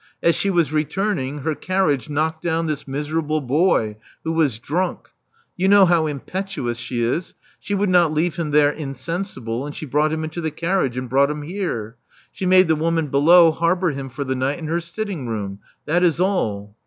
As she was returning, her carriage knocked down this miserable boy, who was drunk. You know how impetuous she is. She would not leave him there insensible ; and she took him into the carriage and brought him here. She made the woman below harbor him for the night in her sitting room. That is all."